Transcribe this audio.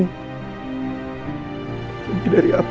lagi dari apapun